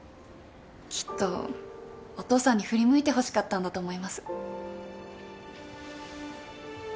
きっとお父さんに振り向いてほしかったんだと思います。